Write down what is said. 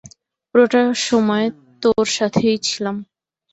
পুরোটা সময় তোর সাথেই ছিলাম।